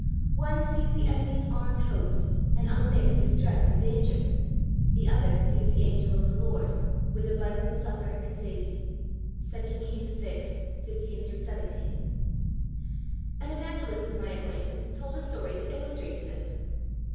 One sees the enemy's armed host, and unmixed distress and danger; the other sees the angel of the Lord, with abundant succour and safety (2 Kings vi. 15 17). An evangelist of my acquaintance told a story that illustrates this.